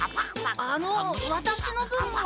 あのワタシの分は？